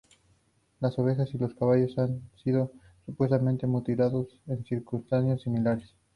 Las ovejas y los caballos han sido supuestamente mutilados en circunstancias similares.